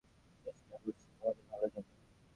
আমি তোমাদের সাথে ভাল থাকার চেষ্টা করেছি।